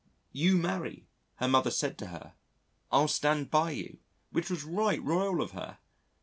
"You marry," her mother said to her, "I'll stand by you," which was right royal of her.